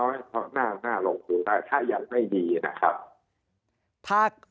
ต่อลงมาเล็กน้อยเพราะหน้าลงควรแต่ถ้ายัดไม่ดีนะครับ